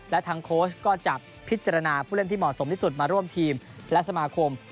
และทางโค้ชก็จะพิจารณาผู้เล่นที่เหมาะสมที่สุดมาร่วมทีมและสมาคม